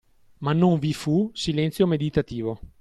Ma non vi fu silenzio meditativo.